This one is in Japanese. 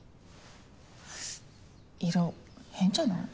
色変じゃない？